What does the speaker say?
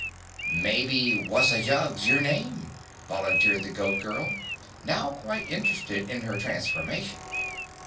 "Maybe 'Was a jug's' your name," volunteered the Goat Girl, now quite interested in her transformation.